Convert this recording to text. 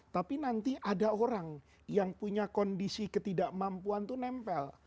tapi nanti ada orang yang punya kondisi ketidakmampuan itu nempel